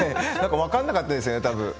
分からなかったんですよ、たぶん。